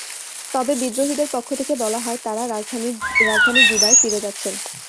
তবে বিদ্রোহীদের পক্ষ থেকে বলা হয়, তাঁরা রাজধানী জুবায় ফিরে যাচ্ছেন।